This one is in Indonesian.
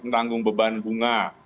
menanggung beban bunga